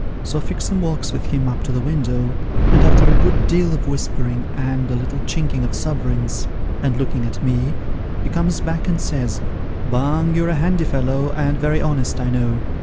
So Fixem walks with him up to the window, and after a good deal of whispering, and a little chinking of suverins, and looking at me, he comes back and says, ' Bung, you're a handy fellow, and very honest, I know.